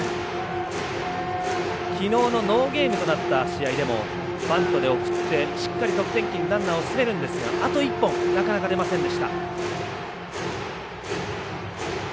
きのうのノーゲームとなった試合でも、バントで送ってしっかり得点圏にランナーを進めるんですがあと１本がなかなか出ませんでした。